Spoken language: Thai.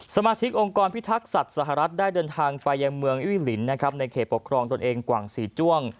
สมาชิกองค์กรพิทักษัตว์สหรัฐได้เดินทางไปยังเมืองอุ้ยลินนะครับในเขตปกครองตนเองกว่างศรีจ้วง